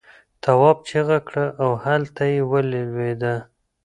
تواب چیغه کړه او خلته یې ولوېده.